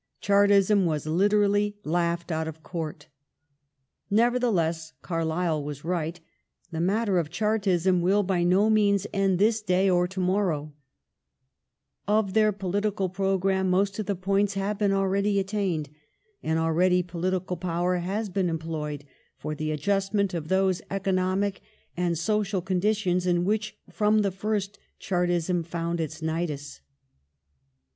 Chartism was literally laughed out of court. Nevertheless, Carlyle was right :" The matter of Chartism will by no means end this day or to morrow ". Of their political programme most of the " points " have been already attained, and already political power has been employed for the adjustment of those economic and social conditions in which, from the fii*st. Chartism found its nidus.